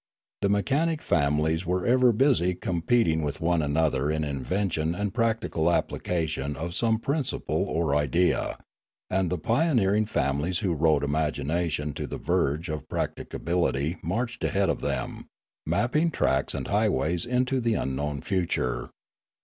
The mechanic families were ever busy com peting with one another in invention and practical application of some principle or idea, and the pioneering families who rode imagination to the verge of practica bility marched ahead of them, mapping tracks and highways into the unknown future.